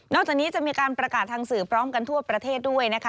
จากนี้จะมีการประกาศทางสื่อพร้อมกันทั่วประเทศด้วยนะคะ